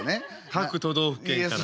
各都道府県から。